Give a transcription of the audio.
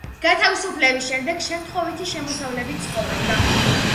გათავისუფლების შემდეგ შემთხვევითი შემოსავლებით ცხოვრობდა.